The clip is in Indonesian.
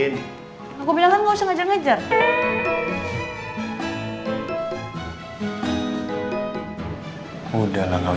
tidak saja achet begini